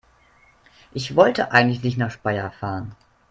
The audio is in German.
Ich wollte eigentlich nicht nach Speyer fahren